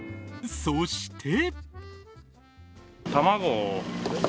そして。